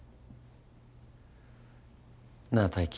なあ泰生。